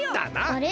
あれ？